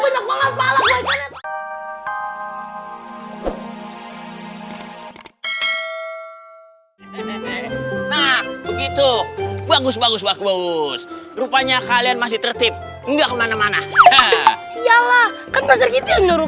nah begitu bagus bagus bagus bagus rupanya kalian masih tertip enggak mana mana iyalah